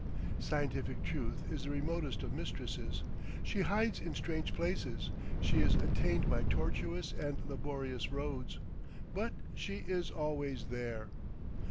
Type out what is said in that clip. Scientific truth is the remotest of mistresses; she hides in strange places, she is attained by tortuous and laborious roads, but _she is always there!